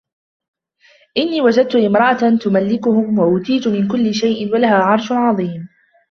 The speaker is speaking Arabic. إِنِّي وَجَدْتُ امْرَأَةً تَمْلِكُهُمْ وَأُوتِيَتْ مِنْ كُلِّ شَيْءٍ وَلَهَا عَرْشٌ عَظِيمٌ